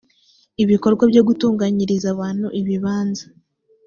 ibikorwa byo gutunganyiriza abantu ibibanza